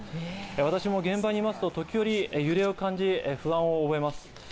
私も現場にいますと時折、揺れを感じ、不安を覚えます。